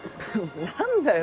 何だよ？